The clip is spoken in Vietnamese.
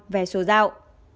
về số giao